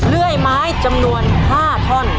เลื่อยไม้จำนวน๕ท่อน